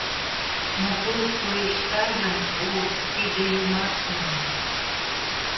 Но пыл шойышта гын, — о, тиде — юмашне!